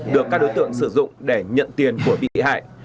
được các đối tượng sử dụng để nhận tiền của bìa hải